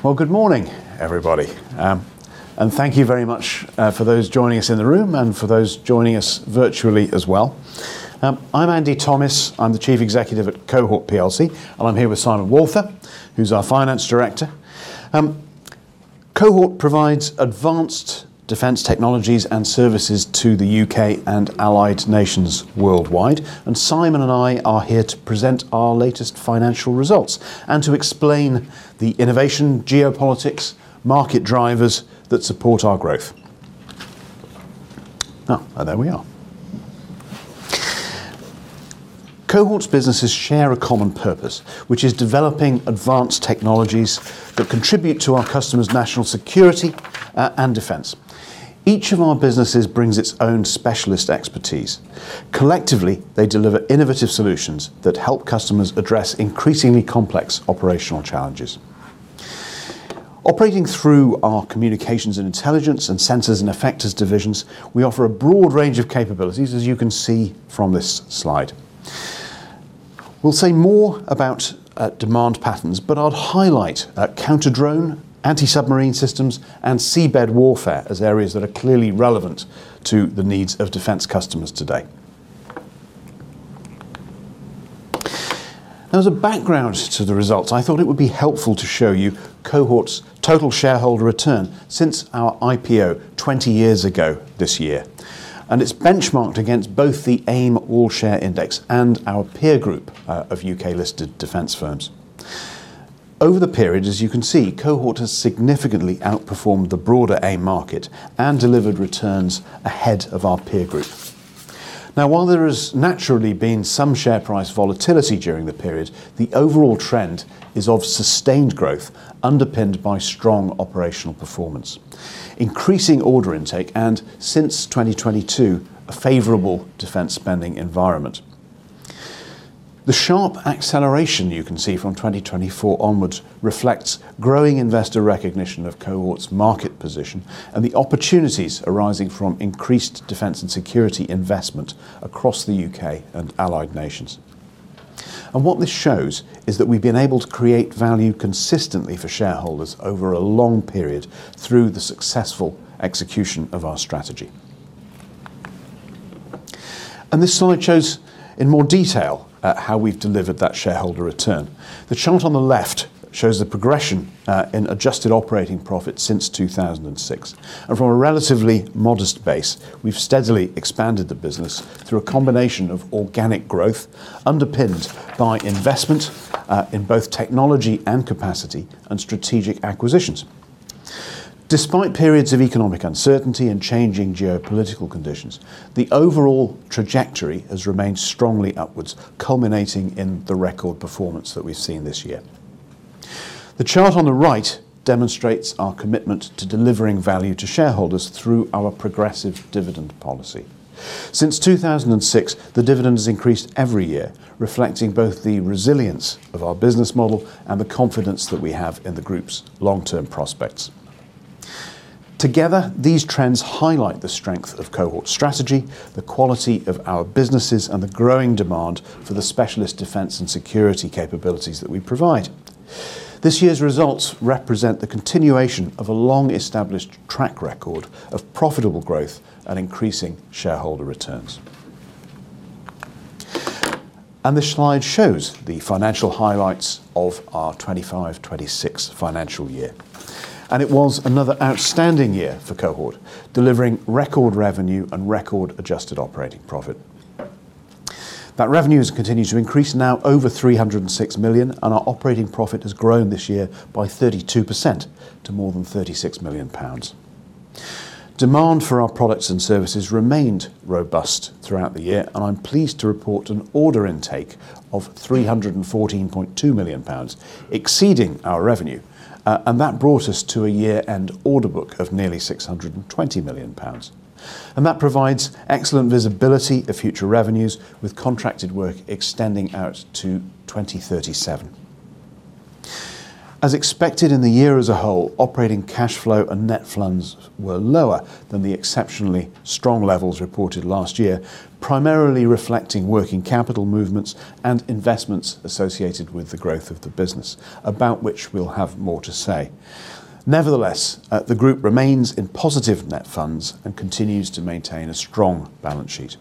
Good morning, everybody, and thank you very much for those joining us in the room and for those joining us virtually as well. I'm Andy Thomis. I'm the Chief Executive at Cohort plc, and I'm here with Simon Walther, who's our Finance Director. Cohort provides advanced defense technologies and services to the U.K. and allied nations worldwide. Simon and I are here to present our latest financial results and to explain the innovation, geopolitics, market drivers that support our growth. There we are. Cohort's businesses share a common purpose, which is developing advanced technologies that contribute to our customers' national security and defense. Each of our businesses brings its own specialist expertise. Collectively, they deliver innovative solutions that help customers address increasingly complex operational challenges. Operating through our Communications and Intelligence and Sensors and Effectors divisions, we offer a broad range of capabilities, as you can see from this slide. We'll say more about demand patterns but I'd highlight counter-drone, anti-submarine systems, and seabed warfare as areas that are clearly relevant to the needs of defense customers today. As a background to the results, I thought it would be helpful to show you Cohort's total shareholder return since our IPO 20 years ago this year. It's benchmarked against both the FTSE AIM All-Share Index and our peer group of U.K.-listed defense firms. Over the period, as you can see, Cohort has significantly outperformed the broader AIM market and delivered returns ahead of our peer group. Now, while there has naturally been some share price volatility during the period, the overall trend is of sustained growth, underpinned by strong operational performance, increasing order intake, and, since 2022, a favorable defense spending environment. The sharp acceleration you can see from 2024 onwards reflects growing investor recognition of Cohort's market position and the opportunities arising from increased defense and security investment across the U.K. and allied nations. What this shows is that we've been able to create value consistently for shareholders over a long period through the successful execution of our strategy. This slide shows in more detail how we've delivered that shareholder return. The chart on the left shows the progression in adjusted operating profit since 2006. From a relatively modest base, we've steadily expanded the business through a combination of organic growth, underpinned by investment in both technology and capacity and strategic acquisitions. Despite periods of economic uncertainty and changing geopolitical conditions, the overall trajectory has remained strongly upwards, culminating in the record performance that we've seen this year. The chart on the right demonstrates our commitment to delivering value to shareholders through our progressive dividend policy. Since 2006, the dividend has increased every year, reflecting both the resilience of our business model and the confidence that we have in the group's long-term prospects. Together, these trends highlight the strength of Cohort's strategy, the quality of our businesses, and the growing demand for the specialist defense and security capabilities that we provide. This year's results represent the continuation of a long-established track record of profitable growth and increasing shareholder returns. This slide shows the financial highlights of our 2025/2026 financial year. It was another outstanding year for Cohort, delivering record revenue and record adjusted operating profit. That revenue has continued to increase, now over 306 million, and our operating profit has grown this year by 32% to more than 36 million pounds. Demand for our products and services remained robust throughout the year. I'm pleased to report an order intake of 314.2 million pounds, exceeding our revenue and that brought us to a year-end order book of nearly 620 million pounds and that provides excellent visibility of future revenues, with contracted work extending out to 2037. As expected in the year as a whole, operating cash flow and net funds were lower than the exceptionally strong levels reported last year, primarily reflecting working capital movements and investments associated with the growth of the business, about which we'll have more to say. Nevertheless, the group remains in positive net funds and continues to maintain a strong balance sheet.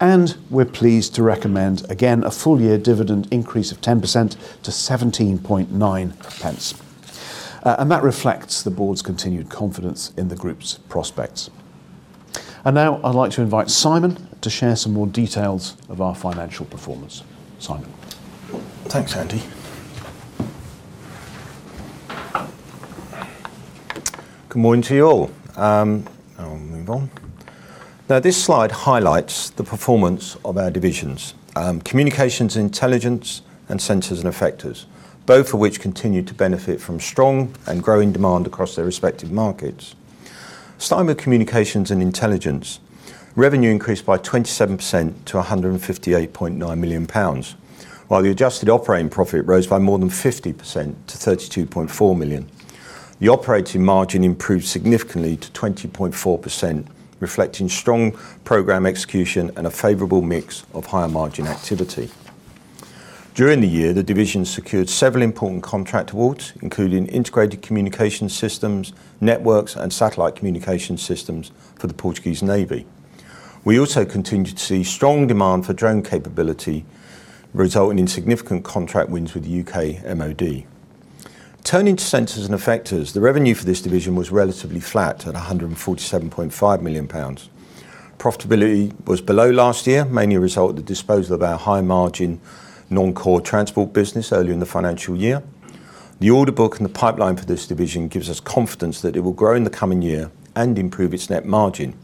We're pleased to recommend, again, a full-year dividend increase of 10% to 0.179. That reflects the Board's continued confidence in the group's prospects. Now I'd like to invite Simon to share some more details of our financial performance. Simon? Thanks, Andy. Good morning to you all. I'll move on. This slide highlights the performance of our divisions, Communications and Intelligence, and Sensors and Effectors, both of which continue to benefit from strong and growing demand across their respective markets. Starting with Communications and Intelligence, revenue increased by 27% to 158.9 million pounds, while the adjusted operating profit rose by more than 50% to 32.4 million. The operating margin improved significantly to 20.4%, reflecting strong program execution and a favorable mix of higher margin activity. During the year, the division secured several important contract awards, including integrated communication systems, networks, and satellite communication systems for the Portuguese Navy. We also continued to see strong demand for counter-drone capability, resulting in significant contract wins with the U.K. MOD. Turning to Sensors and Effectors, the revenue for this division was relatively flat at 147.5 million pounds. Profitability was below last year, mainly a result of the disposal of our high margin, non-core transport business earlier in the financial year. The order book and the pipeline for this division gives us confidence that it will grow in the coming year and improve its net margin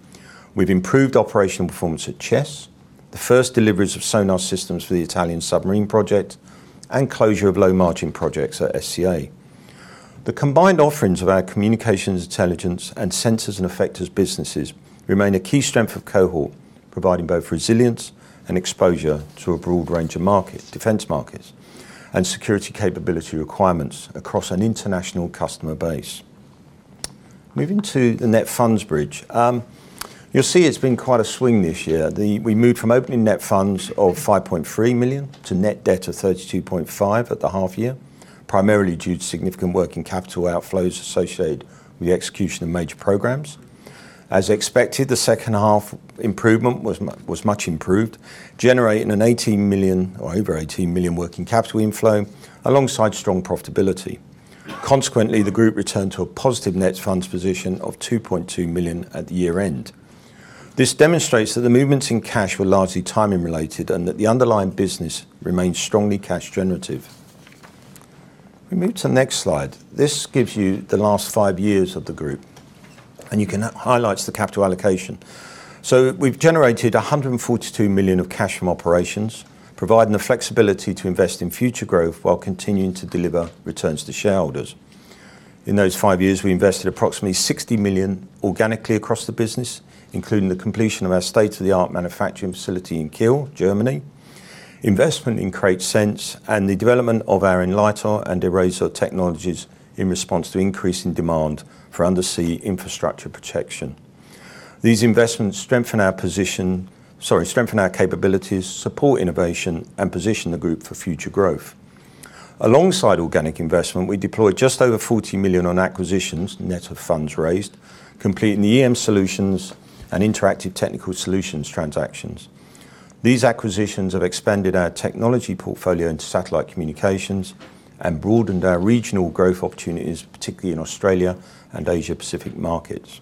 with improved operational performance at Chess, the first deliveries of sonar systems for the Italian submarine project, and closure of low margin projects at SEA. The combined offerings of our Communications and Intelligence and Sensors and Effectors businesses remain a key strength of Cohort, providing both resilience and exposure to a broad range of defense markets and security capability requirements across an international customer base. Moving to the net funds bridge. You'll see it's been quite a swing this year. We moved from opening net funds of 5.3 million to net debt of 32.5 million at the half year, primarily due to significant working capital outflows associated with the execution of major programs. As expected, the second half improvement was much improved, generating a 18 million, or over 18 million working capital inflow alongside strong profitability. Consequently, the group returned to a positive net funds position of 2.2 million at the year-end. This demonstrates that the movements in cash were largely timing related, and that the underlying business remains strongly cash generative. We move to the next slide. This gives you the last five years of the group, and you can highlight the capital allocation. We've generated 142 million of cash from operations, providing the flexibility to invest in future growth while continuing to deliver returns to shareholders. In those five years, we invested approximately 60 million organically across the business, including the completion of our state-of-the-art manufacturing facility in Kiel, Germany, investment in KraitSense, and the development of our Enlightor and Erazor technologies in response to increasing demand for undersea infrastructure protection. These investments strengthen our position, sorry, strengthen our capabilities, support innovation, and position the group for future growth. Alongside organic investment, we deployed just over 40 million on acquisitions, net of funds raised, completing the EM Solutions and Interactive Technical Solutions transactions. These acquisitions have expanded our technology portfolio into satellite communications and broadened our regional growth opportunities, particularly in Australia and Asia-Pacific markets.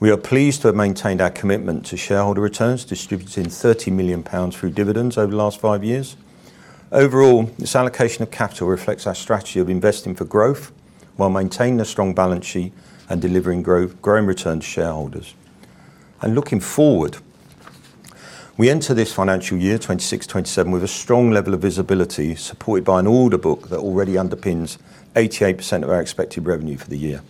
We are pleased to have maintained our commitment to shareholder returns, distributing 30 million pounds through dividends over the last five years. Overall, this allocation of capital reflects our strategy of investing for growth while maintaining a strong balance sheet and delivering growing returns to shareholders. Looking forward, we enter this financial year, 2026/2027, with a strong level of visibility, supported by an order book that already underpins 88% of our expected revenue for the year.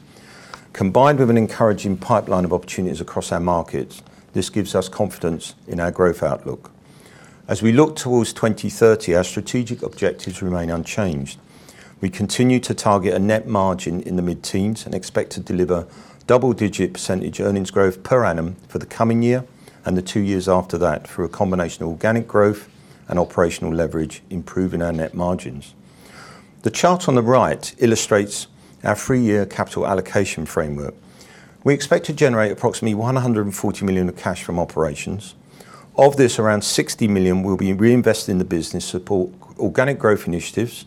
Combined with an encouraging pipeline of opportunities across our markets, this gives us confidence in our growth outlook. As we look towards 2030, our strategic objectives remain unchanged. We continue to target a net margin in the mid-teens and expect to deliver double-digit percentage earnings growth per annum for the coming year and the two years after that through a combination of organic growth and operational leverage improving our net margins. The chart on the right illustrates our three-year capital allocation framework. We expect to generate approximately 140 million of cash from operations. Of this, around 60 million will be reinvested in the business support organic growth initiatives,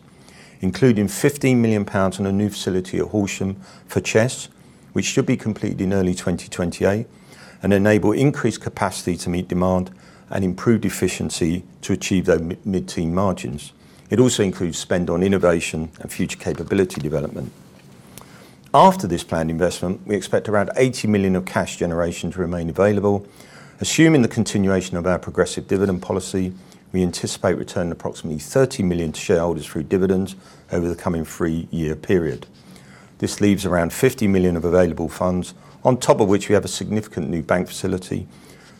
including 15 million pounds on a new facility at Horsham for Chess, which should be completed in early 2028 and enable increased capacity to meet demand and improved efficiency to achieve those mid-teen margins. It also includes spend on innovation and future capability development. After this planned investment, we expect around 80 million of cash generation to remain available. Assuming the continuation of our progressive dividend policy, we anticipate returning approximately 30 million to shareholders through dividends over the coming three-year period. This leaves around 50 million of available funds, on top of which we have a significant new bank facility.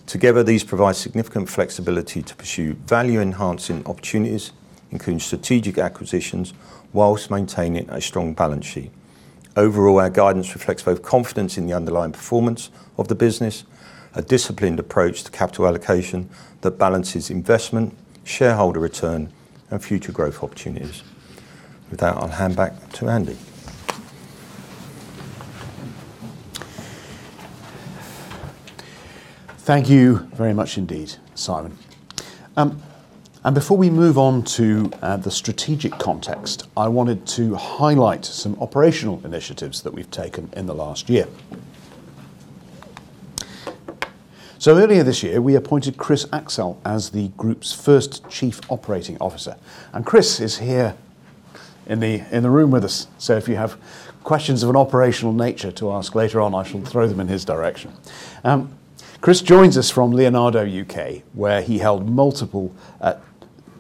Together, these provide significant flexibility to pursue value-enhancing opportunities, including strategic acquisitions, whilst maintaining a strong balance sheet. Overall, our guidance reflects both confidence in the underlying performance of the business, a disciplined approach to capital allocation that balances investment, shareholder return, and future growth opportunities. With that, I'll hand back to Andy. Thank you very much indeed, Simon. Before we move on to the strategic context, I wanted to highlight some operational initiatives that we've taken in the last year. Earlier this year, we appointed Chris Axcell as the group's first Chief Operating Officer, and Chris is here in the room with us. If you have questions of an operational nature to ask later on, I shall throw them in his direction. Chris joins us from Leonardo UK, where he held multiple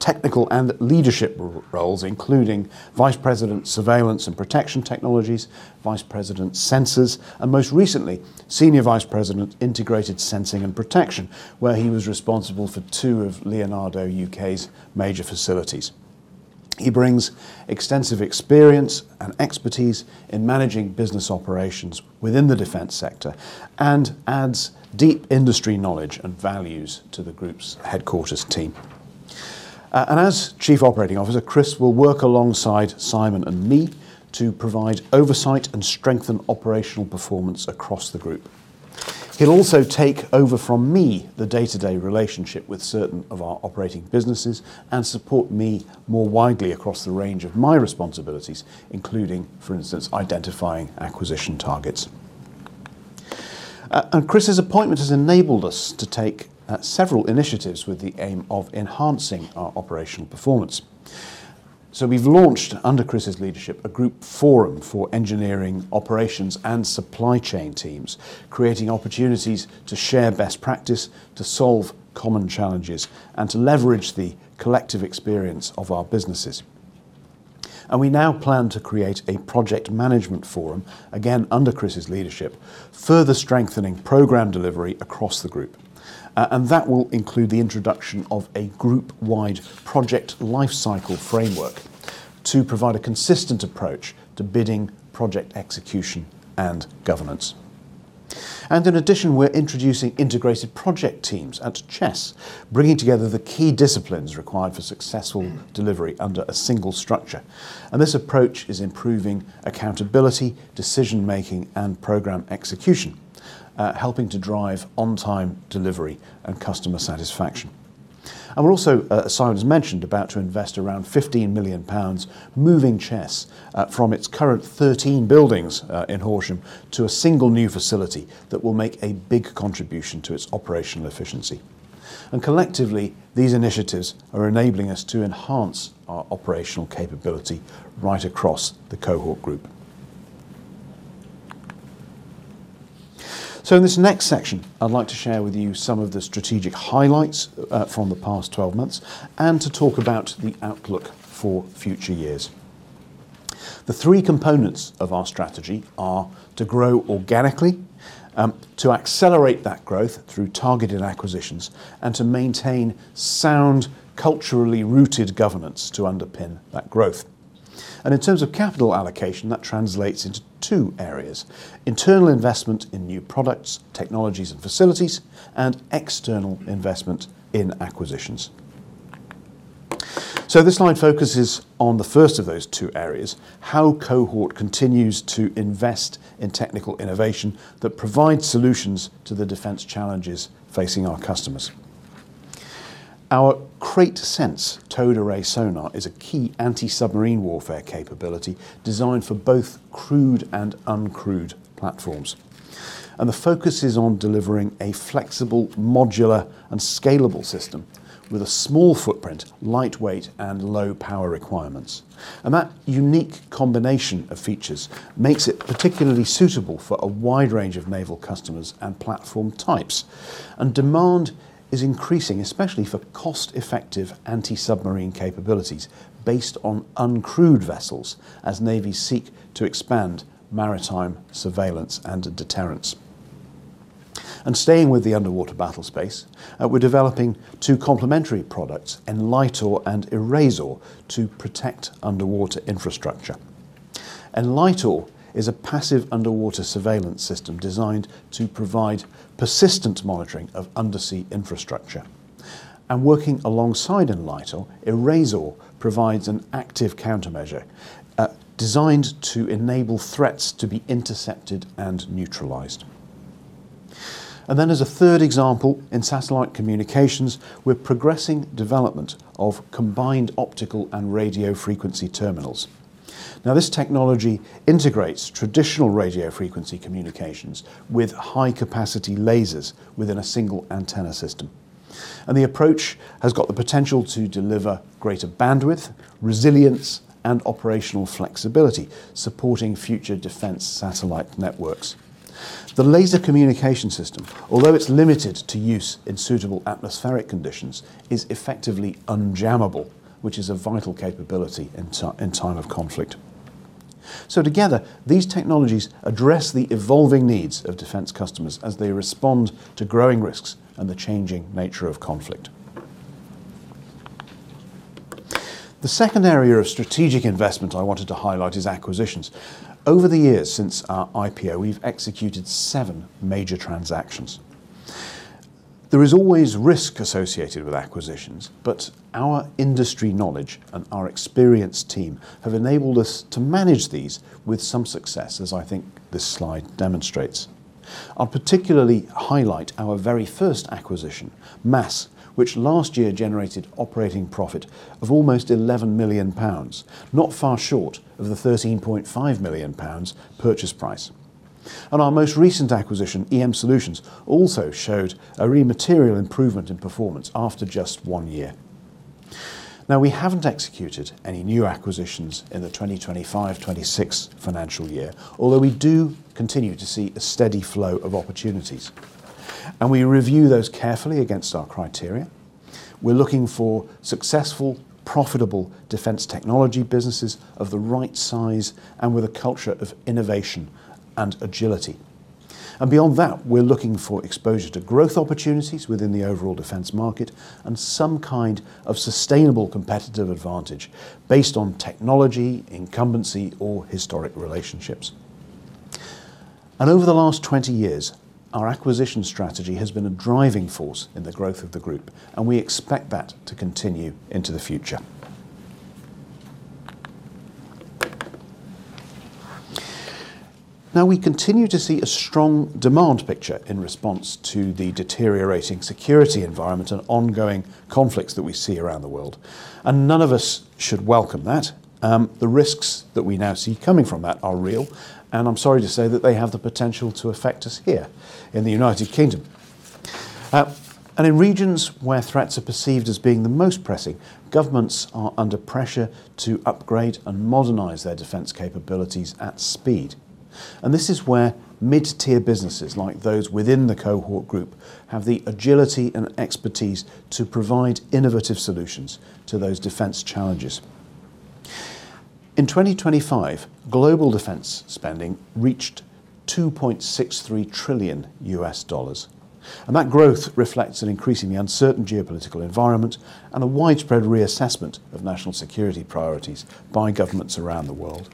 technical and leadership roles, including Vice President of Surveillance and Protection Technologies, Vice President of Sensors, and most recently, Senior Vice President Integrated Sensing and Protection, where he was responsible for two of Leonardo UK's major facilities. He brings extensive experience and expertise in managing business operations within the defense sector and adds deep industry knowledge and values to the group's headquarters team. As Chief Operating Officer, Chris will work alongside Simon and me to provide oversight and strengthen operational performance across the group. He'll also take over from me the day-to-day relationship with certain of our operating businesses and support me more widely across the range of my responsibilities, including, for instance, identifying acquisition targets. Chris's appointment has enabled us to take several initiatives with the aim of enhancing our operational performance. We've launched, under Chris's leadership, a group forum for engineering, operations, and supply chain teams, creating opportunities to share best practice, to solve common challenges, and to leverage the collective experience of our businesses. We now plan to create a project management forum, again, under Chris's leadership, further strengthening program delivery across the group. That will include the introduction of a group-wide project life cycle framework to provide a consistent approach to bidding, project execution, and governance. In addition, we're introducing integrated project teams at Chess, bringing together the key disciplines required for successful delivery under a single structure. This approach is improving accountability, decision-making, and program execution, helping to drive on-time delivery and customer satisfaction. We're also, as Simon's mentioned, about to invest around 15 million pounds, moving Chess from its current 13 buildings in Horsham to a single new facility that will make a big contribution to its operational efficiency. Collectively, these initiatives are enabling us to enhance our operational capability right across the Cohort group. In this next section, I'd like to share with you some of the strategic highlights from the past 12 months, and to talk about the outlook for future years. The three components of our strategy are to grow organically, to accelerate that growth through targeted acquisitions, and to maintain sound, culturally-rooted governance to underpin that growth. In terms of capital allocation, that translates into two areas, internal investment in new products, technologies, and facilities, and external investment in acquisitions. This slide focuses on the first of those two areas, how Cohort continues to invest in technical innovation that provides solutions to the defense challenges facing our customers. Our KraitSense towed array sonar is a key anti-submarine warfare capability designed for both crewed and uncrewed platforms. The focus is on delivering a flexible, modular, and scalable system with a small footprint, lightweight, and low power requirements and that unique combination of features makes it particularly suitable for a wide range of naval customers and platform types. Demand is increasing, especially for cost-effective anti-submarine capabilities based on uncrewed vessels as navies seek to expand maritime surveillance and deterrence. Staying with the underwater battle space, we're developing two complementary products, Enlightor and Erazor, to protect underwater infrastructure. Enlightor is a passive underwater surveillance system designed to provide persistent monitoring of undersea infrastructure. Working alongside Enlightor, Erazor provides an active countermeasure, designed to enable threats to be intercepted and neutralized. And then as a third example, in satellite communications, we're progressing development of combined optical and radio frequency terminals. Now, this technology integrates traditional radio frequency communications with high-capacity lasers within a single antenna system. The approach has got the potential to deliver greater bandwidth, resilience, and operational flexibility, supporting future defense satellite networks. The laser communication system, although it's limited to use in suitable atmospheric conditions, is effectively unjammable, which is a vital capability in time of conflict. Together, these technologies address the evolving needs of defense customers as they respond to growing risks and the changing nature of conflict. The second area of strategic investment I wanted to highlight is acquisitions. Over the years since our IPO, we've executed seven major transactions. There is always risk associated with acquisitions, but our industry knowledge and our experienced team have enabled us to manage these with some success, as I think this slide demonstrates. I particularly highlight our very first acquisition, MASS, which last year generated operating profit of almost 11 million pounds, not far short of the 13.5 million pounds purchase price. Our most recent acquisition, EM Solutions, also showed a real material improvement in performance after just one year. Now, we haven't executed any new acquisitions in the 2025/2026 financial year, although we do continue to see a steady flow of opportunities. We review those carefully against our criteria. We're looking for successful, profitable defense technology businesses of the right size and with a culture of innovation and agility. Beyond that, we're looking for exposure to growth opportunities within the overall defense market and some kind of sustainable competitive advantage based on technology, incumbency, or historic relationships. Over the last 20 years, our acquisition strategy has been a driving force in the growth of the group, and we expect that to continue into the future. Now, we continue to see a strong demand picture in response to the deteriorating security environment and ongoing conflicts that we see around the world, and none of us should welcome that. The risks that we now see coming from that are real. I'm sorry to say that they have the potential to affect us here in the United Kingdom. In regions where threats are perceived as being the most pressing, governments are under pressure to upgrade and modernize their defense capabilities at speed. This is where mid-tier businesses, like those within the Cohort group, have the agility and expertise to provide innovative solutions to those defense challenges. In 2025, global defense spending reached $2.63 trillion, and that growth reflects an increasingly uncertain geopolitical environment and a widespread reassessment of national security priorities by governments around the world.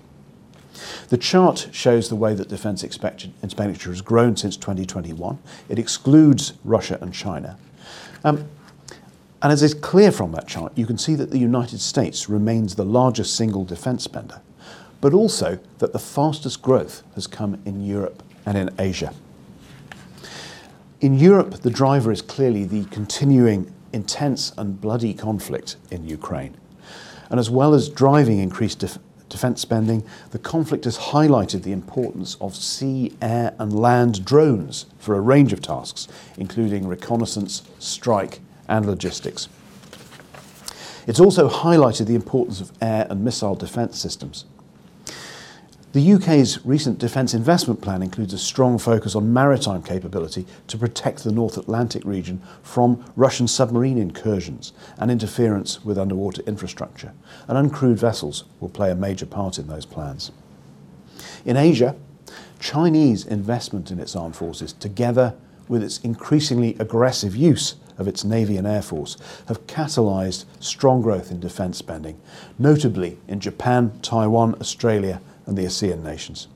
The chart shows the way that defense expenditure has grown since 2021. It excludes Russia and China. As is clear from that chart, you can see that the United States remains the largest single defense spender, but also that the fastest growth has come in Europe and in Asia. In Europe, the driver is clearly the continuing intense and bloody conflict in Ukraine. As well as driving increased defense spending, the conflict has highlighted the importance of sea, air, and land drones for a range of tasks, including reconnaissance, strike, and logistics. It's also highlighted the importance of air and missile defense systems. The U.K.'s recent Defence Investment Plan includes a strong focus on maritime capability to protect the North Atlantic region from Russian submarine incursions and interference with underwater infrastructure, and uncrewed vessels will play a major part in those plans. In Asia, Chinese investment in its armed forces, together with its increasingly aggressive use of its navy and air force, have catalyzed strong growth in defense spending, notably in Japan, Taiwan, Australia, and the ASEAN nations.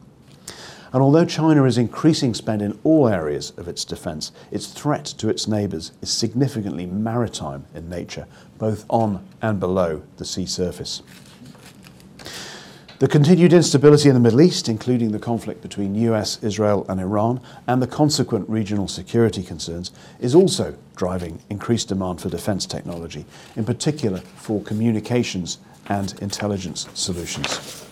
Although China is increasing spend in all areas of its defense, its threat to its neighbors is significantly maritime in nature, both on and below the sea surface. The continued instability in the Middle East, including the conflict between U.S., Israel, and Iran, and the consequent regional security concerns, is also driving increased demand for defense technology, in particular for Communications and Intelligence solutions.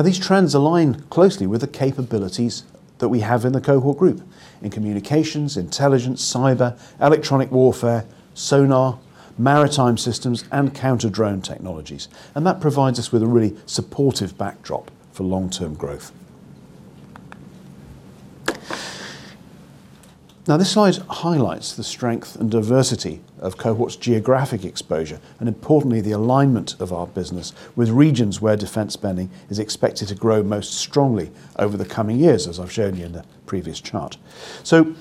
These trends align closely with the capabilities that we have in the Cohort group in communications, intelligence, cyber, electronic warfare, sonar, maritime systems, and counter-drone technologies, and that provides us with a really supportive backdrop for long-term growth. Now, this slide highlights the strength and diversity of Cohort's geographic exposure and, importantly, the alignment of our business with regions where defense spending is expected to grow most strongly over the coming years, as I've shown you in the previous chart.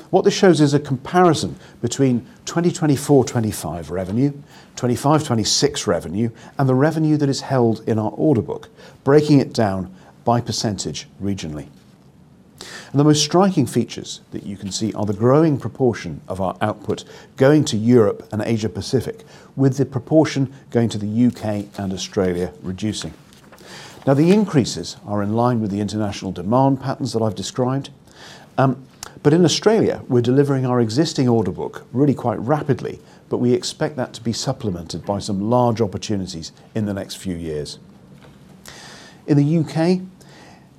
What this shows is a comparison between 2024/2025 revenue, 2025/2026 revenue, and the revenue that is held in our order book, breaking it down by percentage regionally. The most striking features that you can see are the growing proportion of our output going to Europe and Asia-Pacific, with the proportion going to the U.K. and Australia reducing. Now the increases are in line with the international demand patterns that I've described, but in Australia, we're delivering our existing order book really quite rapidly, but we expect that to be supplemented by some large opportunities in the next few years. In the U.K.,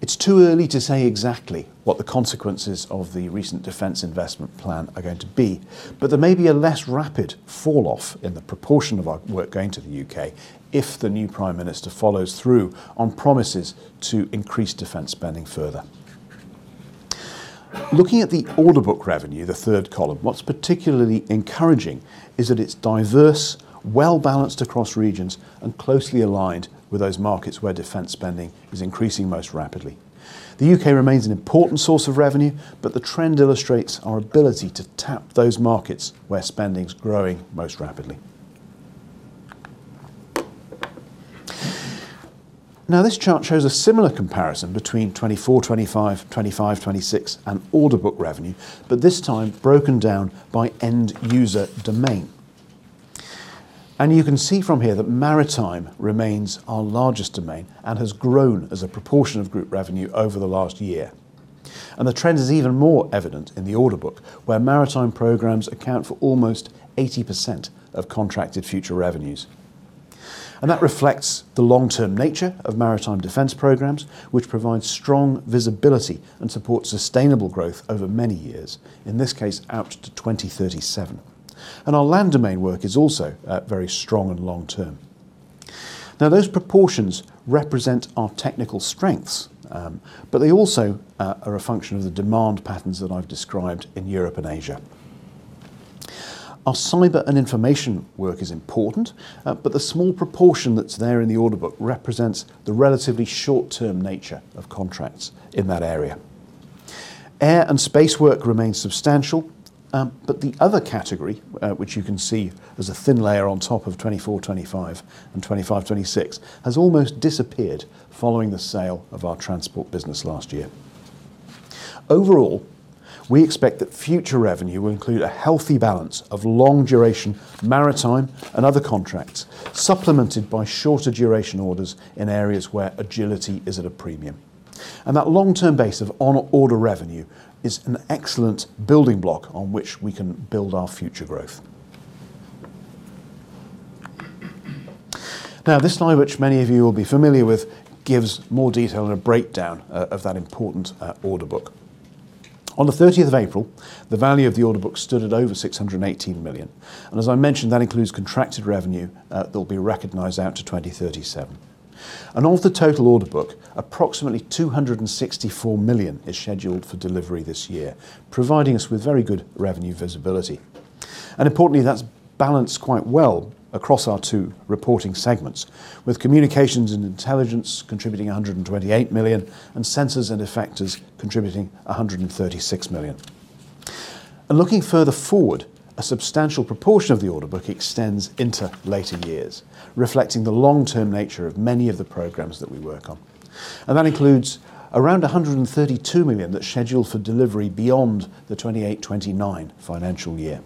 it's too early to say exactly what the consequences of the recent Defence Investment Plan are going to be, but there may be a less rapid fall-off in the proportion of our work going to the U.K. if the new prime minister follows through on promises to increase defense spending further. Looking at the order book revenue, the third column, what's particularly encouraging is that it's diverse, well-balanced across regions, and closely aligned with those markets where defense spending is increasing most rapidly. The U.K. remains an important source of revenue, but the trend illustrates our ability to tap those markets where spending is growing most rapidly. Now this chart shows a similar comparison between 2024/2025, 2025/2026, and order book revenue, but this time broken down by end-user domain. You can see from here that maritime remains our largest domain and has grown as a proportion of group revenue over the last year. The trend is even more evident in the order book, where maritime programs account for almost 80% of contracted future revenues and that reflects the long-term nature of maritime defense programs, which provide strong visibility and support sustainable growth over many years, in this case, out to 2037. Our land domain work is also very strong and long-term. Those proportions represent our technical strengths, but they also are a function of the demand patterns that I've described in Europe and Asia. Our cyber and information work is important, but the small proportion that's there in the order book represents the relatively short-term nature of contracts in that area. Air and space work remains substantial, but the other category, which you can see as a thin layer on top of 2024/2025 and 2025/2026, has almost disappeared following the sale of our transport business last year. Overall, we expect that future revenue will include a healthy balance of long-duration maritime and other contracts, supplemented by shorter duration orders in areas where agility is at a premium. That long-term base of on-order revenue is an excellent building block on which we can build our future growth. Now this slide, which many of you will be familiar with, gives more detail and a breakdown of that important order book. On the 30th of April, the value of the order book stood at over 618 million, and as I mentioned, that includes contracted revenue that will be recognized out to 2037 and of the total order book, approximately 264 million is scheduled for delivery this year, providing us with very good revenue visibility. Importantly, that's balanced quite well across our two reporting segments, with Communications and Intelligence contributing 128 million and Sensors and Effectors contributing 136 million. Looking further forward, a substantial proportion of the order book extends into later years, reflecting the long-term nature of many of the programs that we work on and that includes around 132 million that's scheduled for delivery beyond the 2028/2029 financial year.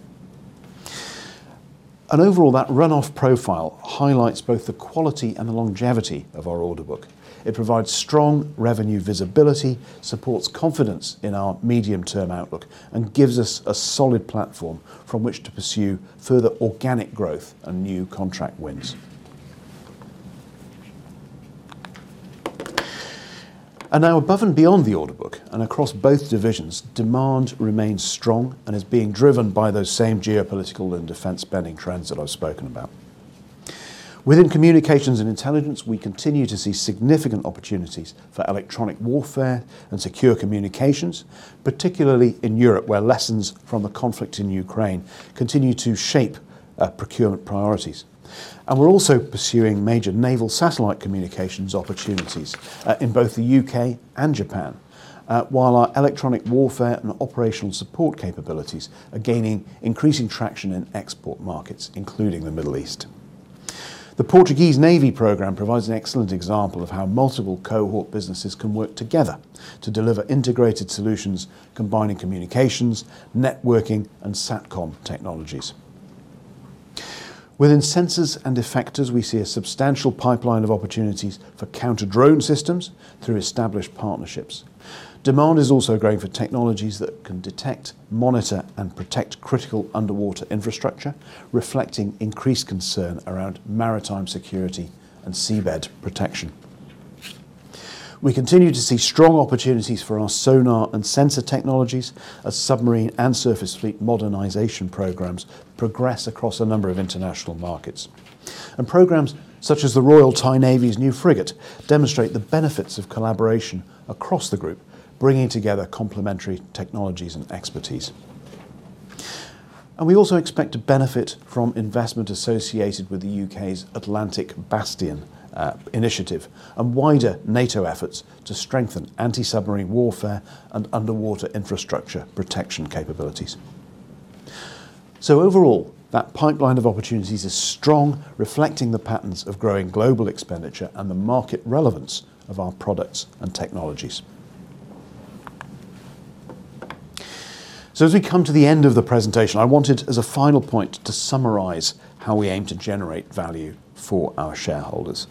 Overall, that run-off profile highlights both the quality and the longevity of our order book. It provides strong revenue visibility, supports confidence in our medium-term outlook, and gives us a solid platform from which to pursue further organic growth and new contract wins. Now, above and beyond the order book and across both divisions, demand remains strong and is being driven by those same geopolitical and defense spending trends that I've spoken about. Within Communications and Intelligence, we continue to see significant opportunities for electronic warfare and secure communications, particularly in Europe, where lessons from the conflict in Ukraine continue to shape procurement priorities. We're also pursuing major naval satellite communications opportunities in both the U.K. and Japan, while our electronic warfare and operational support capabilities are gaining increasing traction in export markets, including the Middle East. The Portuguese Navy program provides an excellent example of how multiple Cohort businesses can work together to deliver integrated solutions combining communications, networking, and SATCOM technologies. Within Sensors and Effectors, we see a substantial pipeline of opportunities for counter-drone systems through established partnerships. Demand is also growing for technologies that can detect, monitor, and protect critical underwater infrastructure, reflecting increased concern around maritime security and seabed protection. We continue to see strong opportunities for our sonar and sensor technologies as submarine and surface fleet modernization programs progress across a number of international markets. Programs such as the Royal Thai Navy's new frigate demonstrate the benefits of collaboration across the group, bringing together complementary technologies and expertise. We also expect to benefit from investment associated with the U.K.'s Atlantic Bastion initiative and wider NATO efforts to strengthen anti-submarine warfare and underwater infrastructure protection capabilities. Overall, that pipeline of opportunities is strong, reflecting the patterns of growing global expenditure and the market relevance of our products and technologies. As we come to the end of the presentation, I wanted, as a final point, to summarize how we aim to generate value for our shareholders.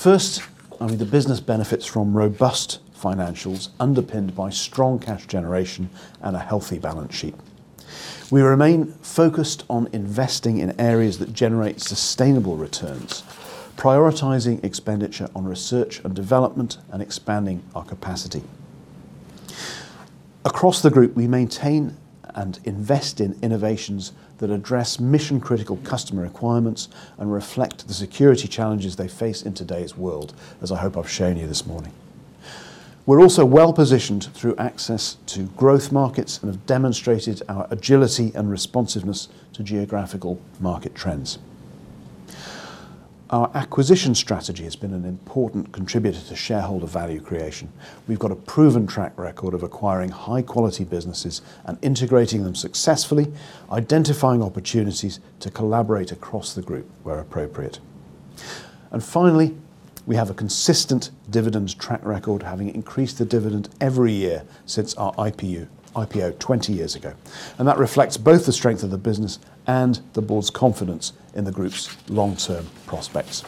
First, the business benefits from robust financials underpinned by strong cash generation and a healthy balance sheet. We remain focused on investing in areas that generate sustainable returns, prioritizing expenditure on research and development, and expanding our capacity. Across the group, we maintain and invest in innovations that address mission-critical customer requirements and reflect the security challenges they face in today's world, as I hope I've shown you this morning. We're also well-positioned through access to growth markets and have demonstrated our agility and responsiveness to geographical market trends. Our acquisition strategy has been an important contributor to shareholder value creation. We've got a proven track record of acquiring high-quality businesses and integrating them successfully, identifying opportunities to collaborate across the group where appropriate. Finally, we have a consistent dividend track record, having increased the dividend every year since our IPO 20 years ago. That reflects both the strength of the business and the Board's confidence in the group's long-term prospects.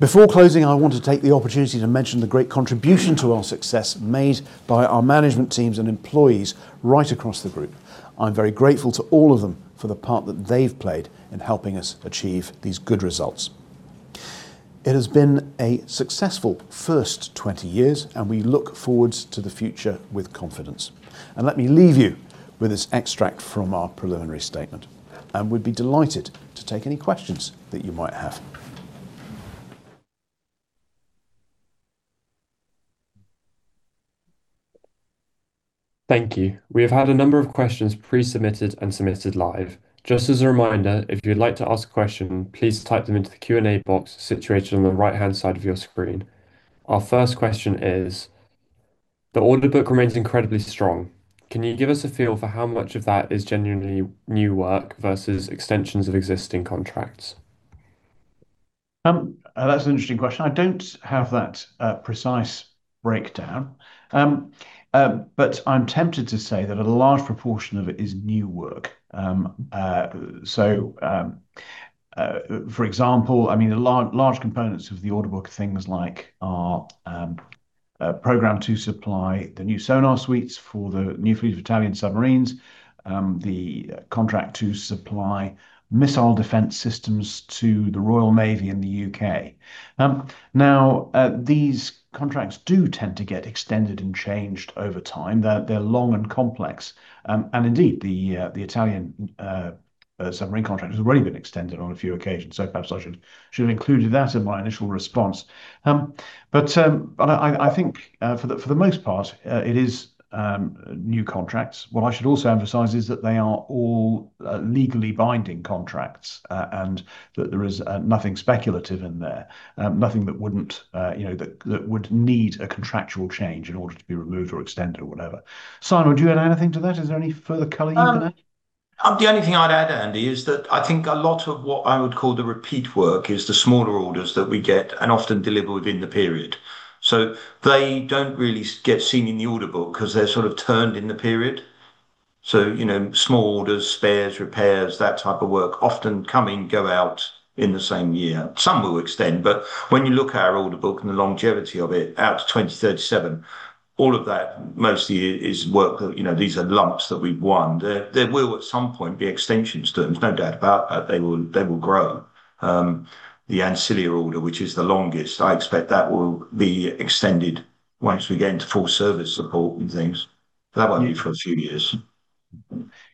Before closing, I want to take the opportunity to mention the great contribution to our success made by our management teams and employees right across the group. I'm very grateful to all of them for the part that they've played in helping us achieve these good results. It has been a successful first 20 years, and we look forward to the future with confidence. Let me leave you with this extract from our preliminary statement, and we'd be delighted to take any questions that you might have. Thank you. We have had a number of questions pre-submitted and submitted live. Just as a reminder, if you'd like to ask a question, please type them into the Q&A box situated on the right-hand side of your screen. Our first question is: the order book remains incredibly strong. Can you give us a feel for how much of that is genuinely new work versus extensions of existing contracts? That's an interesting question. I don't have that precise breakdown, but I'm tempted to say that a large proportion of it is new work. For example, large components of the order book are things like our program to supply the new sonar suites for the new fleet of Italian submarines, the contract to supply missile defense systems to the Royal Navy and the U.K. Now, these contracts do tend to get extended and changed over time. They're long and complex. Indeed, the Italian submarine contract has already been extended on a few occasions, so perhaps I should have included that in my initial response. I think for the most part, it is new contracts. What I should also emphasize is that they are all legally-binding contracts, and that there is nothing speculative in there, nothing that would need a contractual change in order to be removed or extended or whatever. Simon, would you add anything to that? Is there any further color you can add? The only thing I'd add, Andy, is that I think a lot of what I would call the repeat work is the smaller orders that we get and often deliver within the period. They don't really get seen in the order book because they're sort of turned in the period. Small orders, spares, repairs, that type of work often come in, go out in the same year. Some will extend, but when you look at our order book and the longevity of it out to 2037, all of that mostly is work that these are lumps that we've won. There will, at some point, be extensions to them, there's no doubt about that. They will grow. The ancillary order, which is the longest, so I expect that will be extended once we get into full service support and things. That won't be for a few years.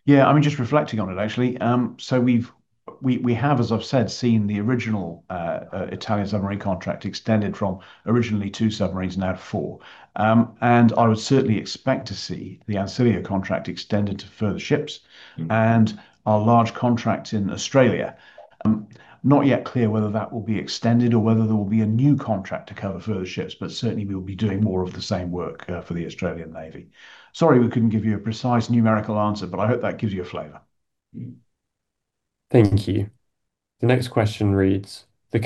Yeah, just reflecting on it, actually. We have, as I've said, seen the original Italian submarine contract extended from originally two submarines, now to four. I would certainly expect to see the ancillary contract extended to further ships and our large contracts in Australia. Not yet clear whether that will be extended or whether there will be a new contract to cover further ships, but certainly we'll be doing more of the same work for the Australian Navy. Sorry we couldn't give you a precise numerical answer, but I hope that gives you a flavor. Thank you. The next question reads: the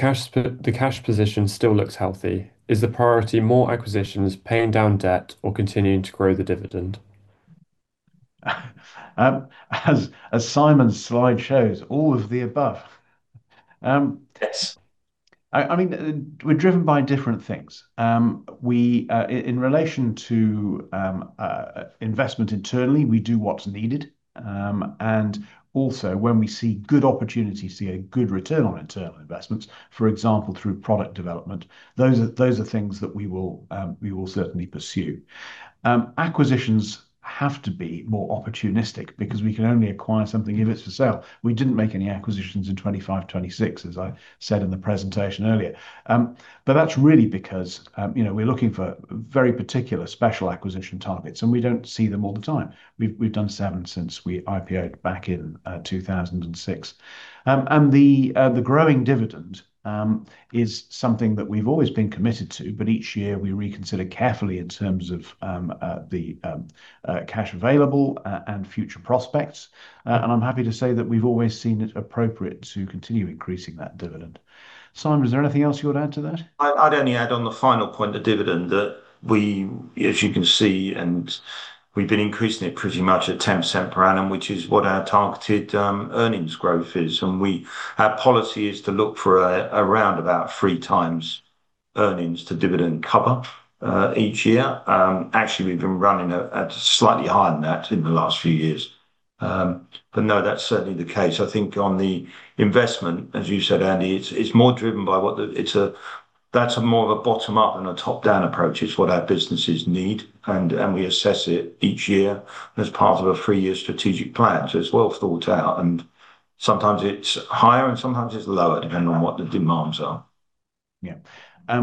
cash position still looks healthy. Is the priority more acquisitions, paying down debt, or continuing to grow the dividend? As Simon's slide shows, all of the above. Yes. We're driven by different things. In relation to investment internally, we do what's needed. Also when we see good opportunities, see a good return on internal investments, for example, through product development, those are things that we will certainly pursue. Acquisitions have to be more opportunistic because we can only acquire something if it's for sale. We didn't make any acquisitions in 2025, 2026, as I said in the presentation earlier. That's really because we're looking for very particular, special acquisition targets, and we don't see them all the time. We've done seven since we IPO-ed back in 2006. The growing dividend is something that we've always been committed to, but each year we reconsider carefully in terms of the cash available and future prospects. I'm happy to say that we've always seen it appropriate to continue increasing that dividend. Simon, is there anything else you would add to that? I'd only add on the final point, the dividend, that we, as you can see, we've been increasing it pretty much at 10% per annum, which is what our targeted earnings growth is. Our policy is to look for around about three times earnings to dividend cover each year. Actually, we've been running slightly higher than that in the last few years. No, that's certainly the case. I think on the investment, as you said, Andy, it's more driven by That's more of a bottom-up than a top-down approach. It's what our businesses need, and we assess it each year as part of a three-year strategic plan. It's well thought out, and sometimes it's higher and sometimes it's lower, depending on what the demands are. Yeah.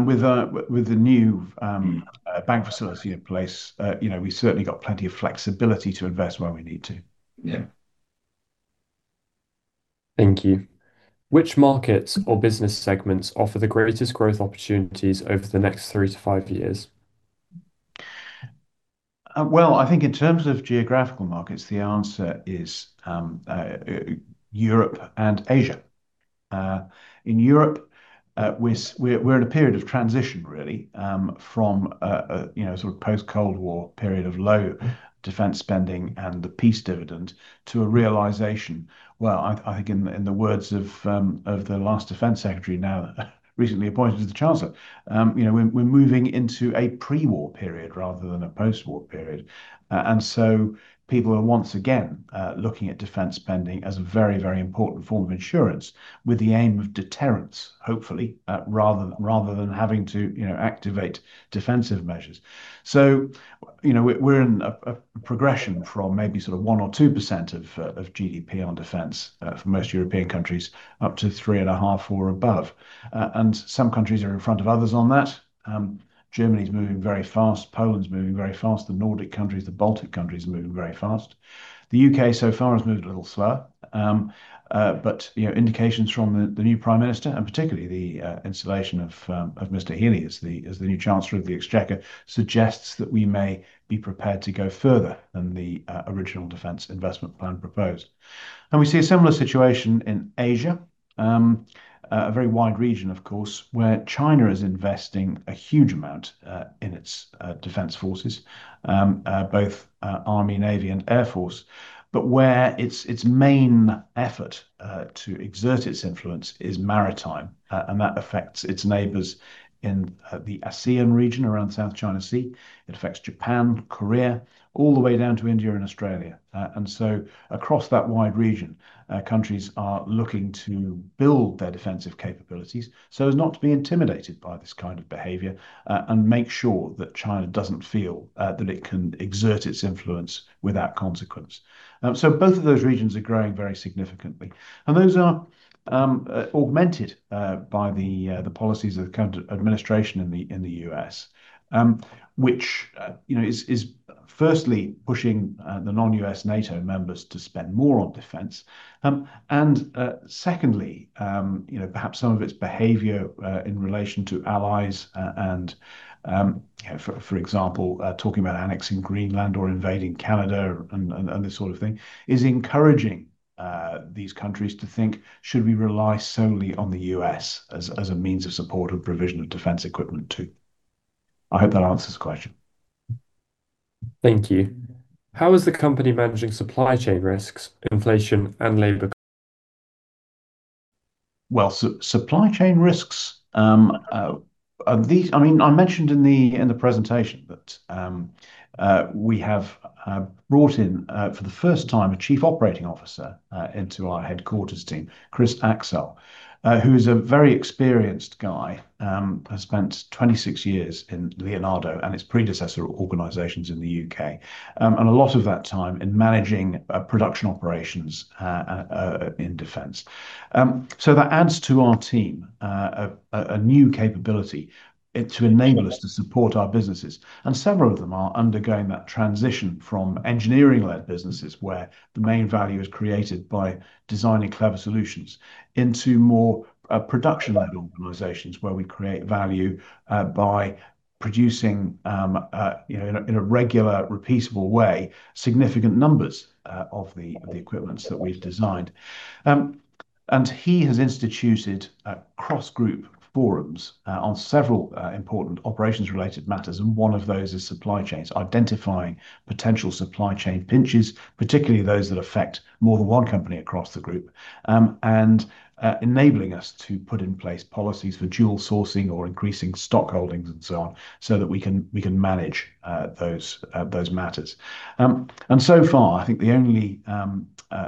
With the new bank facility in place, we've certainly got plenty of flexibility to invest where we need to. Yeah. Thank you. Which markets or business segments offer the greatest growth opportunities over the next three to five years? Well, I think in terms of geographical markets, the answer is Europe and Asia. In Europe, we're in a period of transition, really, from a sort of post-Cold War period of low defense spending and the peace dividend to a realization. Well, I think in the words of the last defense secretary now recently appointed as the chancellor, we're moving into a pre-war period rather than a post-war period. People are once again looking at defense spending as a very, very important form of insurance with the aim of deterrence, hopefully, rather than having to activate defensive measures. We're in a progression from maybe sort of 1% or 2% of GDP on defense for most European countries, up to 3.5% or above. Some countries are in front of others on that. Germany's moving very fast. Poland's moving very fast. The Nordic countries, the Baltic countries are moving very fast. The U.K. so far has moved a little slower. Indications from the new prime minister, and particularly the installation of Mr. Healey as the new Chancellor of the Exchequer, suggests that we may be prepared to go further than the original Defence Investment Plan proposed. We see a similar situation in Asia, a very wide region, of course, where China is investing a huge amount in its defense forces, both army, navy, and air force, but where its main effort to exert its influence is maritime, and that affects its neighbors in the ASEAN region around South China Sea. It affects Japan, Korea, all the way down to India and Australia. Across that wide region, countries are looking to build their defensive capabilities so as not to be intimidated by this kind of behavior and make sure that China doesn't feel that it can exert its influence without consequence. Both of those regions are growing very significantly, and those are augmented by the policies of current administration in the U.S., which is firstly pushing the non-U.S. NATO members to spend more on defense. Secondly perhaps some of its behavior in relation to allies and, for example, talking about annexing Greenland or invading Canada and this sort of thing, is encouraging these countries to think, "Should we rely solely on the U.S. as a means of support and provision of defense equipment, too?" I hope that answers the question. Thank you. How is the company managing supply chain risks, inflation, and labor costs? Well, supply chain risks, I mentioned in the presentation that we have brought in, for the first time, a Chief Operating Officer into our headquarters team, Chris Axcell, who is a very experienced guy, has spent 26 years in Leonardo and its predecessor organizations in the U.K., and a lot of that time in managing production operations in defense, so that adds to our team a new capability to enable us to support our businesses. Several of them are undergoing that transition from engineering-led businesses, where the main value is created by designing clever solutions, into more production-led organizations, where we create value by producing, in a regular, repeatable way, significant numbers of the equipments that we've designed. He has instituted cross-group forums on several important operations-related matters, and one of those is supply chains, identifying potential supply chain pinches, particularly those that affect more than one company across the group, and enabling us to put in place policies for dual sourcing or increasing stock holdings and so on so that we can manage those matters. So far, I think the only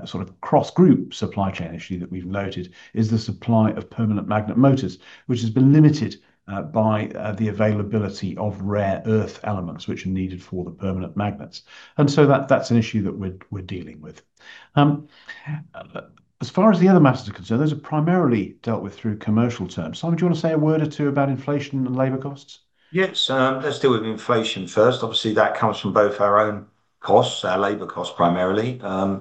sort of cross-group supply chain issue that we've noted is the supply of permanent magnet motors, which has been limited by the availability of rare earth elements which are needed for the permanent magnets and so that's an issue that we're dealing with. As far as the other matters are concerned, those are primarily dealt with through commercial terms. Simon, do you want to say a word or two about inflation and labor costs? Yes. Let's deal with inflation first. Obviously, that comes from both our own costs, our labor costs primarily, and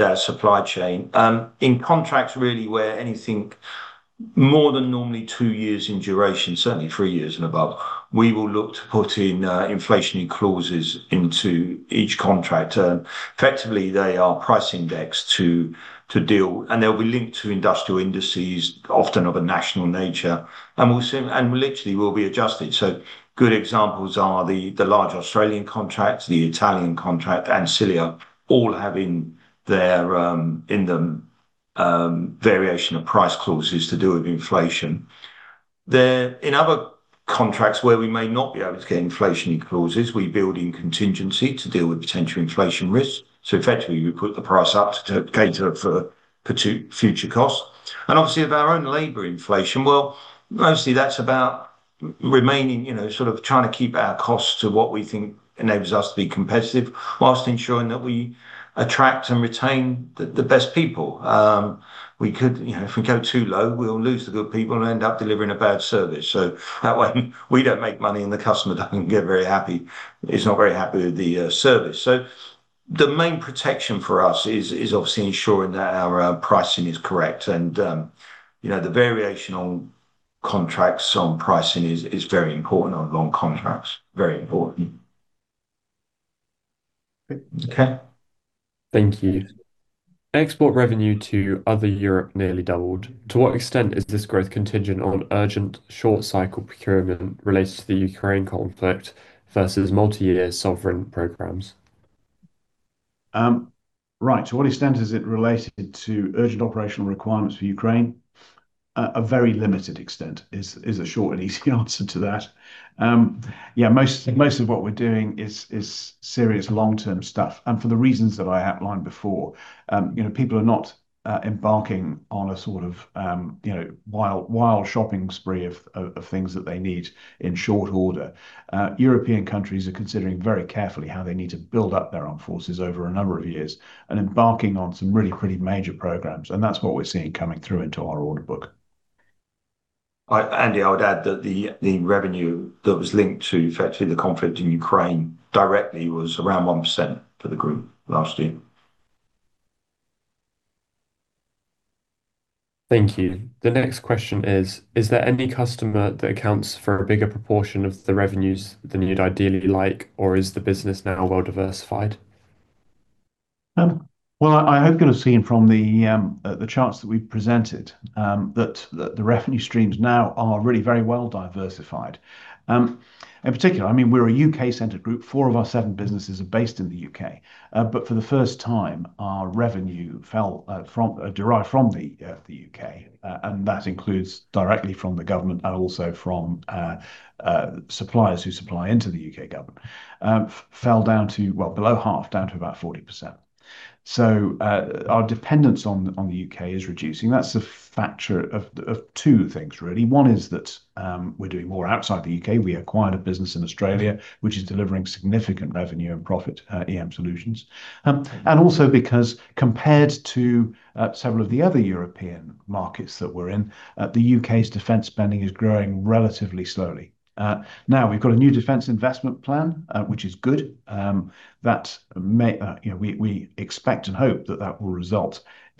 our supply chain. In contracts, really, where anything more than normally two years in duration, certainly three years and above, we will look to put in inflation clauses into each contract term. Effectively, they are price indexed to deal, and they'll be linked to industrial indices, often of a national nature, and literally will be adjusted. Good examples are the large Australian contracts, the Italian contract, and SILVA all have in them variation of price clauses to do with inflation. In other contracts where we may not be able to get inflation clauses, we build in contingency to deal with potential inflation risk so effectively, we put the price up to cater for future costs. Obviously, with our own labor inflation, well, mostly that's about remaining, sort of trying to keep our costs to what we think enables us to be competitive whilst ensuring that we attract and retain the best people. If we go too low, we'll lose the good people and end up delivering a bad service so that way we don't make money and the customer doesn't get very happy, is not very happy with the service. The main protection for us is obviously ensuring that our pricing is correct and the variation on contracts on pricing is very important on long contracts. Very important. Okay. Thank you. Export revenue to other Europe nearly doubled. To what extent is this growth contingent on urgent short cycle procurement related to the Ukraine conflict versus multi-year sovereign programs? Right. To what extent is it related to urgent operational requirements for Ukraine? A very limited extent is a short and easy answer to that. Most of what we're doing is serious long-term stuff, and for the reasons that I outlined before. People are not embarking on a sort of wild shopping spree of things that they need in short order. European countries are considering very carefully how they need to build up their armed forces over a number of years and embarking on some really pretty major programs, and that's what we're seeing coming through into our order book. Andy, I would add that the revenue that was linked to effectively the conflict in Ukraine directly was around 1% for the group last year. Thank you. The next question is there any customer that accounts for a bigger proportion of the revenues than you'd ideally like, or is the business now well-diversified? Well, I hope you'll have seen from the charts that we've presented that the revenue streams now are really very well diversified. In particular, we're a U.K.-centered group. Four of our seven businesses are based in the U.K. but for the first time, our revenue derived from the U.K., and that includes directly from the government and also from suppliers who supply into the U.K. government, fell down to well below half, down to about 40%. So our dependence on the U.K. is reducing and that's a factor of two things, really. One is that we're doing more outside the U.K. We acquired a business in Australia, which is delivering significant revenue and profit, EM Solutions. Also because compared to several of the other European markets that we're in, the U.K.'s defense spending is growing relatively slowly. Now we've got a new Defence Investment Plan, which is good. We expect and hope that that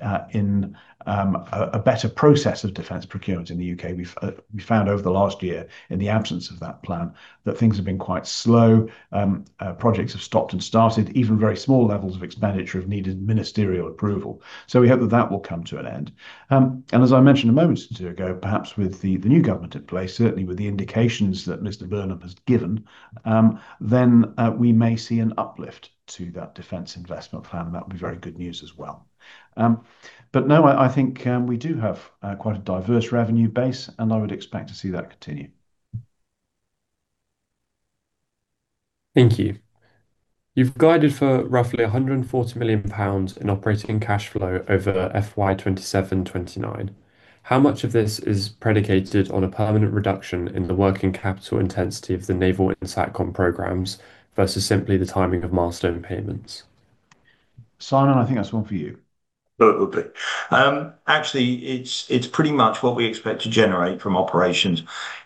will result in a better process of defense procurement in the U.K. We found over the last year, in the absence of that plan, that things have been quite slow. Projects have stopped and started. Even very small levels of expenditure have needed ministerial approval so we hope that that will come to an end. As I mentioned a moment or two ago, perhaps with the new Government in place, certainly with the indications that Mr. Burnham has given, then we may see an uplift to that Defence Investment Plan, that would be very good news as well. No, I think we do have quite a diverse revenue base, and I would expect to see that continue. Thank you. You've guided for roughly 140 million pounds in operating cash flow over FY 2027/2029. How much of this is predicated on a permanent reduction in the working capital intensity of the naval SATCOM programs versus simply the timing of milestone payments? Simon, I think that's one for you. Actually, it's pretty much what we expect to generate from operations.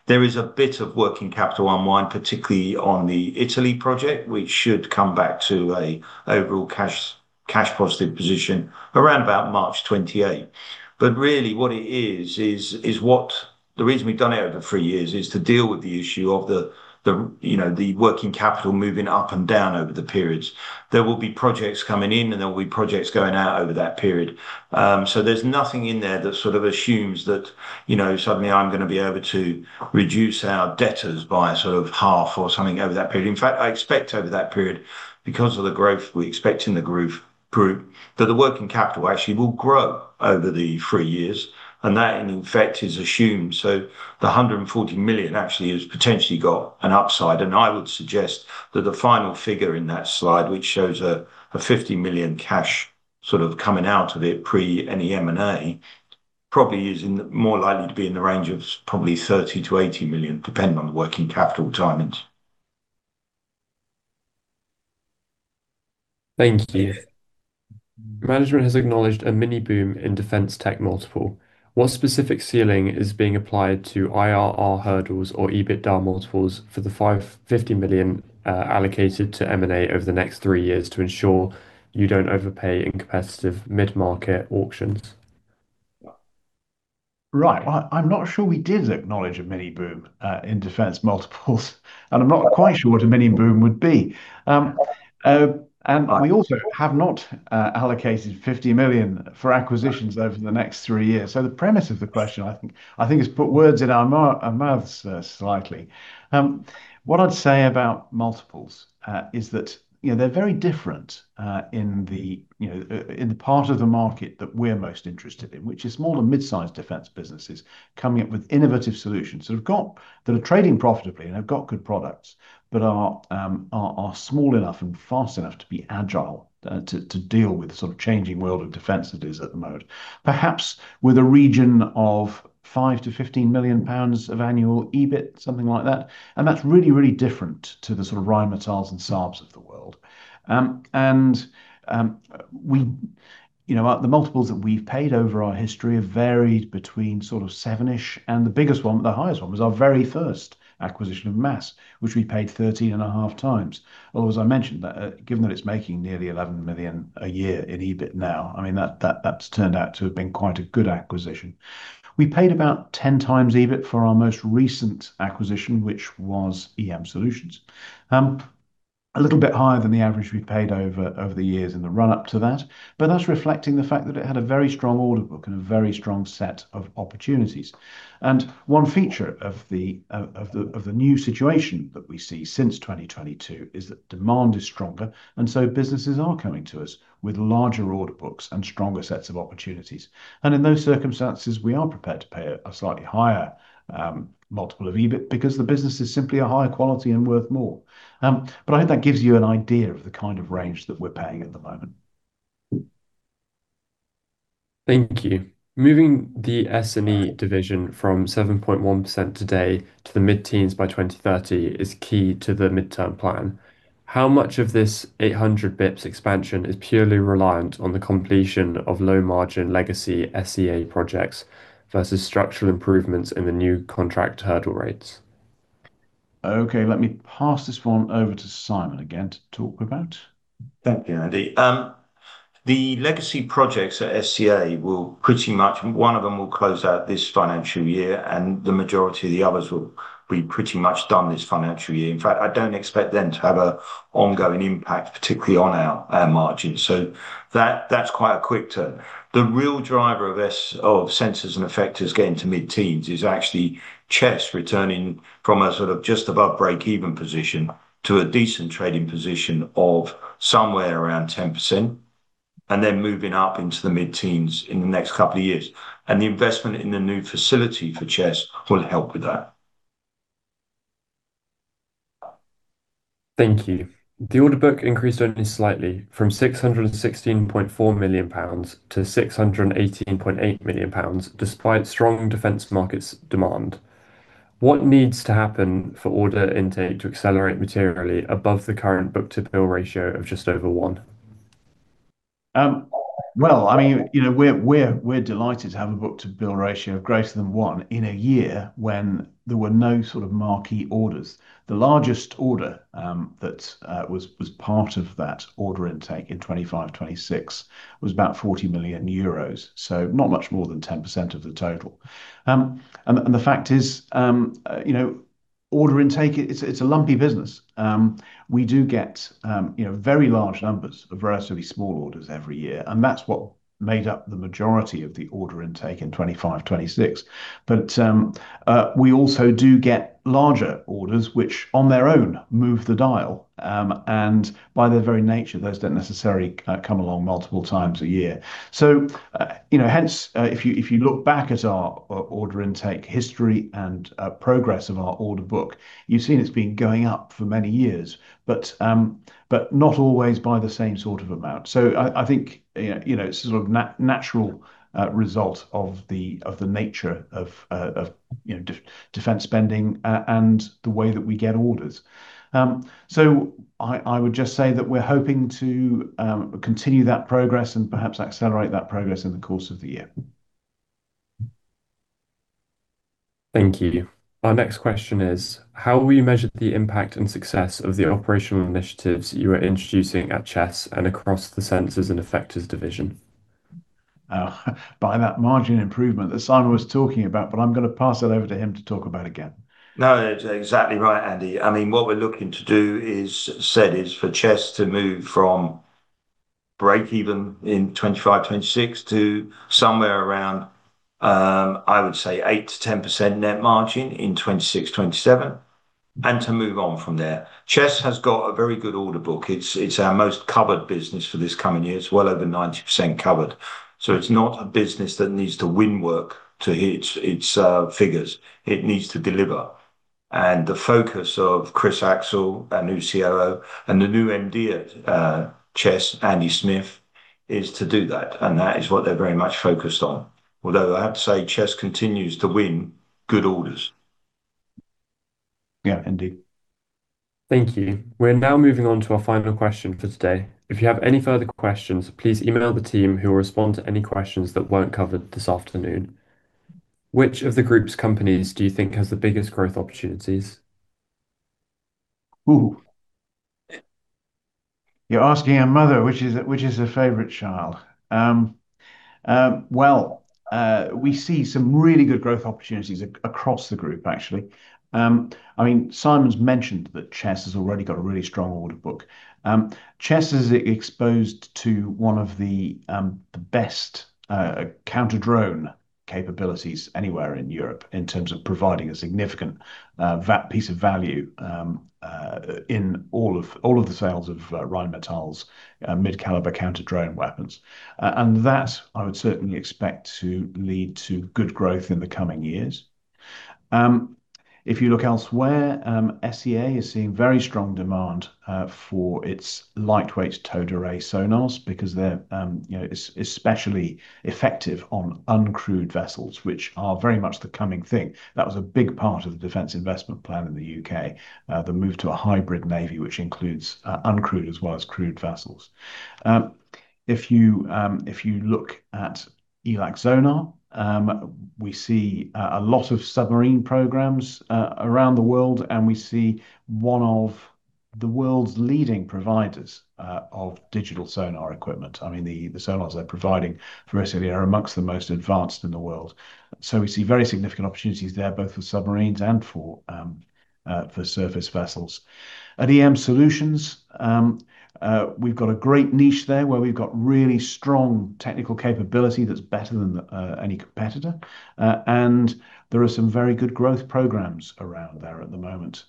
There is a bit of working capital unwind, particularly on the Italy project, which should come back to an overall cash positive position around about March 2028. Really what it is, the reason we've done it over three years is to deal with the issue of the working capital moving up and down over the periods. There will be projects coming in and there will be projects going out over that period. There's nothing in there that sort of assumes that suddenly I'm going to be able to reduce our debtors by sort of half or something over that period. In fact, I expect over that period, because of the growth we expect in the group, but the working capital actually will grow over the three years. That, in effect, is assumed. The 140 million actually has potentially got an upside. I would suggest that the final figure in that slide, which shows a 50 million cash sort of coming out of it pre any M&A, probably is more likely to be in the range of probably 30 million-80 million, depending on the working capital timings. Thank you. Management has acknowledged a mini boom in defense tech multiple. What specific ceiling is being applied to IRR hurdles or EBITDA multiples for the 50 million allocated to M&A over the next three years to ensure you don't overpay in competitive mid-market auctions? Right. I'm not sure we did acknowledge a mini boom in defense multiples, and I'm not quite sure what a mini boom would be. We also have not allocated 50 million for acquisitions over the next three years. The premise of the question, I think, has put words in our mouths slightly. What I'd say about multiples is that they're very different in the part of the market that we're most interested in, which is small or mid-size defense businesses coming up with innovative solutions that are trading profitably and have got good products, but are small enough and fast enough to be agile to deal with the sort of changing world of defense that is at the moment. Perhaps with a region of 5 million-15 million pounds of annual EBIT, something like that and that's really, really different to the sort of Rheinmetalls and Saabs of the world. The multiples that we've paid over our history have varied between sort of seven-ish and the biggest one, the highest one, was our very first acquisition of MASS, which we paid 13.5x. Although, as I mentioned, given that it's making nearly 11 million a year in EBIT now, that's turned out to have been quite a good acquisition. We paid about 10x EBIT for our most recent acquisition, which was EM Solutions. A little bit higher than the average we paid over the years in the run-up to that but that's reflecting the fact that it had a very strong order book and a very strong set of opportunities. One feature of the new situation that we see since 2022 is that demand is stronger, so businesses are coming to us with larger order books and stronger sets of opportunities. In those circumstances, we are prepared to pay a slightly higher multiple of EBIT because the business is simply a higher quality and worth more but I hope that gives you an idea of the kind of range that we're paying at the moment. Thank you. Moving the SME division from 7.1% today to the mid-teens by 2030 is key to the midterm plan. How much of this 800 basis points expansion is purely reliant on the completion of low-margin legacy SEA projects versus structural improvements in the new contract hurdle rates? Okay, let me pass this one over to Simon again to talk about. Thank you, Andy. The legacy projects at SEA will pretty much, one of them will close out this financial year, and the majority of the others will be pretty much done this financial year. In fact, I don't expect them to have an ongoing impact, particularly on our margins. That's quite a quick turn. The real driver of Sensors and Effectors getting to mid-teens is actually Chess returning from a sort of just above breakeven position to a decent trading position of somewhere around 10%, then moving up into the mid-teens in the next couple of years and the investment in the new facility for Chess will help with that. Thank you. The order book increased only slightly from 616.4 million pounds to 618.8 million pounds, despite strong defense markets demand. What needs to happen for order intake to accelerate materially above the current book-to-bill ratio of just over one? Well, we're delighted to have a book-to-bill ratio of greater than one in a year when there were no sort of marquee orders. The largest order that was part of that order intake in 2025/2026 was about 40 million euros, so not much more than 10% of the total. The fact is order intake, it's a lumpy business. We do get very large numbers of relatively small orders every year, and that's what made up the majority of the order intake in 2025/2026. We also do get larger orders, which on their own move the dial. By their very nature, those don't necessarily come along multiple times a year. Hence, if you look back at our order intake history and progress of our order book, you've seen it's been going up for many years, but not always by the same sort of amount. I think it's sort of natural result of the nature of defense spending and the way that we get orders. I would just say that we're hoping to continue that progress and perhaps accelerate that progress in the course of the year. Thank you. Our next question is, how will you measure the impact and success of the operational initiatives you are introducing at Chess and across the Sensors and Effectors division? By that margin improvement that Simon was talking about, I'm going to pass that over to him to talk about again. No, exactly right, Andy. What we're looking to do is for Chess to move from breakeven in 2025/2026 to somewhere around, I would say, 8%-10% net margin in 2026/2027 and to move on from there. Chess has got a very good order book. It's our most covered business for this coming year. It's well over 90% covered. It's not a business that needs to win work to hit its figures. It needs to deliver. The focus of Chris Axcell, our new COO, and the new MD at Chess, Andy Smith, is to do that and that is what they're very much focused on. Although I have to say, Chess continues to win good orders. Yeah, indeed. Thank you. We're now moving on to our final question for today. If you have any further questions, please email the team who will respond to any questions that weren't covered this afternoon. Which of the group's companies do you think has the biggest growth opportunities? Ooh. You're asking a mother which is her favorite child. Well, we see some really good growth opportunities across the group, actually. Simon's mentioned that Chess has already got a really strong order book. Chess is exposed to one of the best counter-drone capabilities anywhere in Europe in terms of providing a significant piece of value in all of the sales of Rheinmetall's mid-caliber counter-drone weapons and that I would certainly expect to lead to good growth in the coming years. If you look elsewhere, SEA is seeing very strong demand for its lightweight towed array sonars because they're especially effective on uncrewed vessels, which are very much the coming thing. That was a big part of the Defence Investment Plan in the U.K., the move to a hybrid navy, which includes uncrewed as well as crewed vessels. If you look at ELAC SONAR, we see a lot of submarine programs around the world, and we see one of the world's leading providers of digital sonar equipment. The sonars they're providing for us are amongst the most advanced in the world. We see very significant opportunities there, both for submarines and for surface vessels. At EM Solutions, we've got a great niche there where we've got really strong technical capability that's better than any competitor and there are some very good growth programs around there at the moment.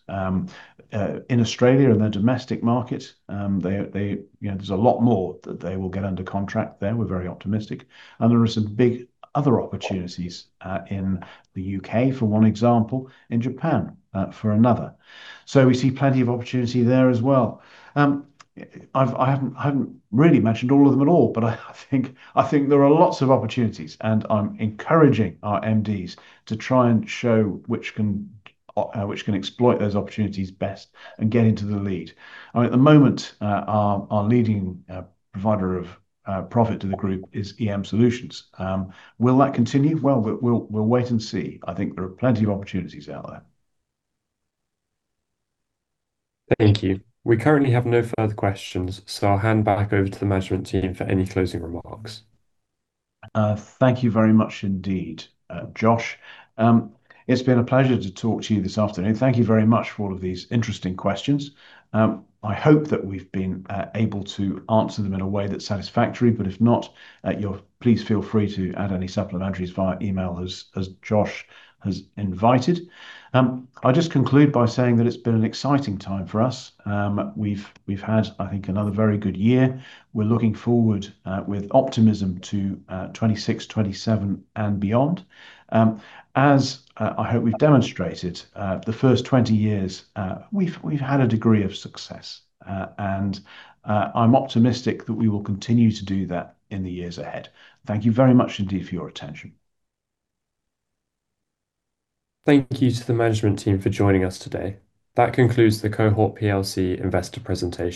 In Australia, in their domestic market, there's a lot more that they will get under contract there. We're very optimistic and there are some big other opportunities, in the U.K., for one example, in Japan, for another. We see plenty of opportunity there as well. I haven't really mentioned all of them at all, but I think there are lots of opportunities, and I'm encouraging our MDs to try and show which can exploit those opportunities best and get into the lead. At the moment, our leading provider of profit to the group is EM Solutions. Will that continue? Well, we'll wait and see. I think there are plenty of opportunities out there. Thank you. We currently have no further questions so I'll hand back over to the management team for any closing remarks. Thank you very much indeed, Josh. It's been a pleasure to talk to you this afternoon. Thank you very much for all of these interesting questions. I hope that we've been able to answer them in a way that's satisfactory. If not, please feel free to add any supplementaries via email as Josh has invited. I'll just conclude by saying that it's been an exciting time for us. We've had, I think, another very good year. We're looking forward with optimism to 2026/2027 and beyond. As I hope we've demonstrated, the first 20 years we've had a degree of success and I'm optimistic that we will continue to do that in the years ahead. Thank you very much indeed for your attention. Thank you to the management team for joining us today. That concludes the Cohort plc investor presentation.